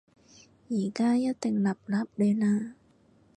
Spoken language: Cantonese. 而家一定立立亂啦